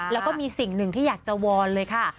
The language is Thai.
แล้วก็มีสิ่งหนึ่งที่อยากจะวอนเลยค่ะ